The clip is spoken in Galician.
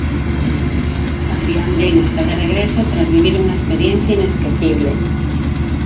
Adrián Ben está de regreso tras vivir unha experiencia inesquecible.